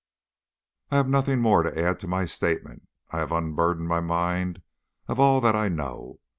I have nothing more to add to my statement. I have unburdened my mind of all that I know.